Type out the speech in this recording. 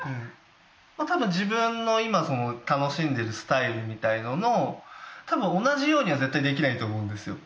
多分自分の今楽しんでいるスタイルみたいなのの多分同じようには絶対できないと思うんですよ。